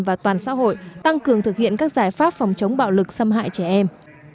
và toàn xã hội tăng cường thực hiện các giải pháp phòng chống bạo lực xâm hại trẻ em